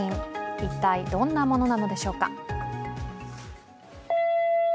一体どんなものなのでしょうか。